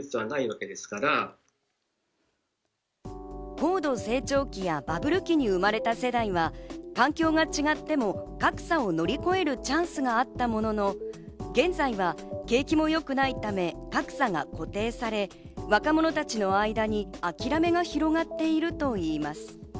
高度成長期やバブル期に生まれた世代が環境が違っても、格差を乗り越えるチャンスがあったものの、現在は景気もよくないため、格差が固定され、若者たちの間に諦めが広がっているといいます。